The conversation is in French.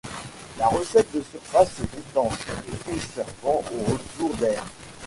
La recette de surface est étanche, le puits servant au retour d'air.